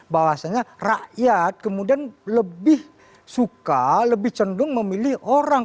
bahwasanya rakyat kemudian lebih suka lebih cenderung memilih orang